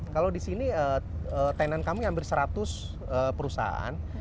kalau di sini tenan kami hampir seratus perusahaan